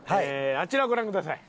あちらをご覧ください。